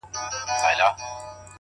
هر منزل له یوې پرېکړې پیلېږي,